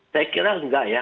saya kira enggak ya